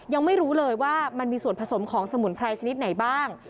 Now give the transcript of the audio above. ยังไม่รู้เลยว่ามันมีส่วนผสมของสมุนไพรชนิดไหนบ้าง